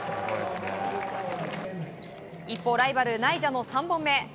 一方、ライバルナイジャの３本目。